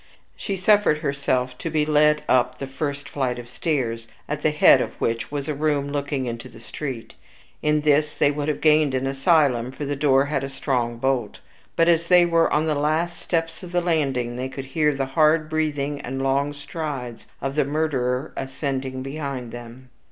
She suffered herself to be led up the first flight of stairs, at the head of which was a room looking into the street. In this they would have gained an asylum, for the door had a strong bolt. But, as they were on the last steps of the landing, they could hear the hard breathing and long strides of the murderer ascending behind them.